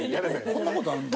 こんなことあんの？